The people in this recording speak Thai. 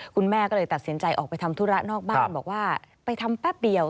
คุณแม่ก็เลยตัดสินใจออกไปทำธุระนอกบ้านบอกว่าไปทำแป๊บเดียว